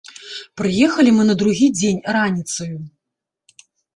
Прыехалі мы на другі дзень раніцаю.